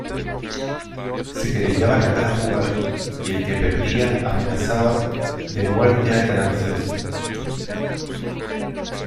se querellaban a cada jugada, y el que perdía amenazaba de muerte al ganancioso.